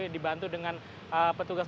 dibantu dengan petugas